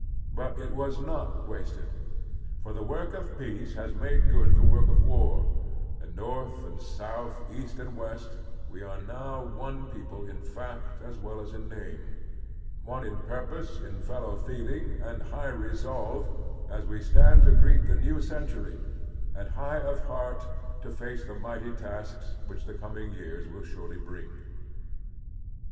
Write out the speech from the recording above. But it was not wasted ; for the work of peace has made good the work of war, and North and South, East and West, we are now one people in fact as well as in name; one in purpose, in fellow feeling, and in high resolve, as we stand to greet the new century, and, high of heart, to face the mighty tasks which the coming years will stirely bring.